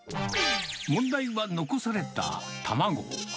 問題は残された卵。